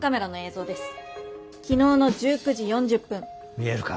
見えるか？